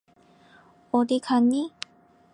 어디 가니?